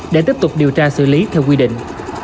để tiếp tục điều tra xử lý theo quy định